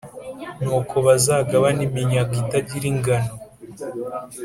Nuko bazagabane iminyago itagira ingano,